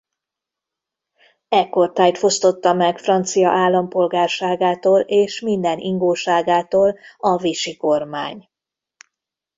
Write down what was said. Ekkortájt fosztotta meg francia állampolgárságától és minden ingóságától a Vichy-kormány.